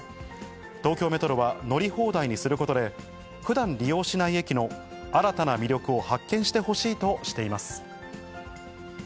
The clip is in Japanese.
東京メトロは、乗り放題にすることで、ふだん利用しない駅の新たな魅力を発見してほしいとしています。